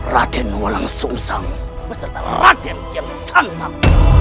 raden wolang sungsang beserta raden kiersantang